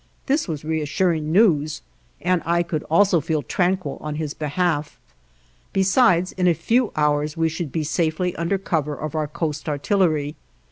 This was reassuring news, and I could also feel tranquil on his behalf; besides in a few hours we should be safely under cover of our coast artillery.